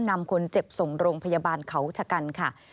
นำคนเจ็บส่งโรงพยาบาลเขาชะกันค่ะ